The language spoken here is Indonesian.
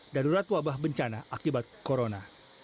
dan urat wabah bencana akibat corona